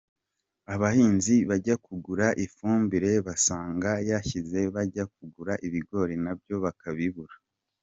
Abahinzi bajya kugura ifumbire bagasanga yashize bajya kugura ibigori nabyo bakabibura.